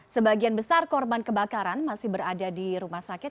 sebagian besar korban kebakaran masih berada di rumah sakit